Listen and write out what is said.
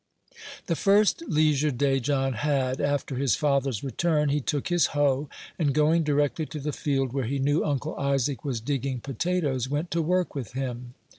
The first leisure day John had, after his father's return, he took his hoe, and going directly to the field where he knew Uncle Isaac was digging potatoes, went to work with him.